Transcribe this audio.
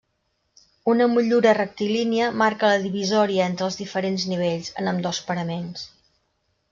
Una motllura rectilínia marca la divisòria entre els diferents nivells, en ambdós paraments.